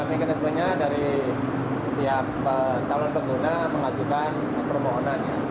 mekanismenya dari pihak calon pengguna mengajukan permohonannya